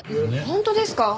本当ですか！？